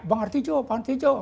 bang artijo bang artijo